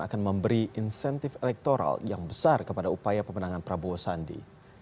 akan memberi insentif elektoral yang besar kepada upaya pemenangan prabowo sandi